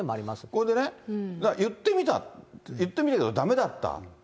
それでね、言ってみた、言ってみたけどだめだった。